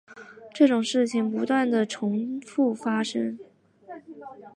这种事件不断地重覆发生。